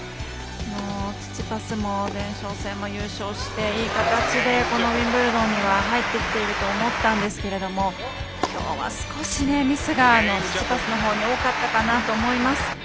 チチパスも前哨戦も優勝していい形でウィンブルドンには入ってきていると思ったんですけどきょうは少しミスがチチパスのほうに多かったかなと思います。